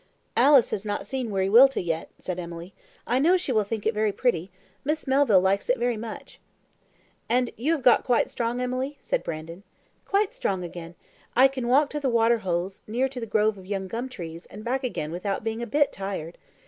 "Alice has not seen Wiriwilta yet," said Emily. "I know she will think it very pretty; Miss Melville likes it very much." "And you have got quite strong, Emily?" said Brandon. "Quite strong again. I can walk to the water holes near the grove of young gum trees and back again without being a hit tired.